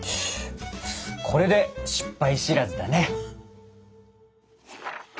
これで失敗知らずだね！